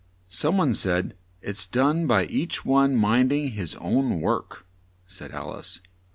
'" "Some one said, it's done by each one mind ing his own work," said Al ice.